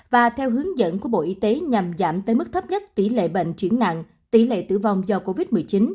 và theo hướng dẫn của bộ y tế nhằm giảm tới mức thấp nhất tỷ lệ bệnh chuyển nặng tỷ lệ tử vong do covid một mươi chín